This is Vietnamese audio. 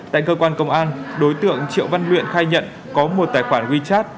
tại cơ quan công an đối tượng triệu văn luyện khai nhận có một tài khoản wechat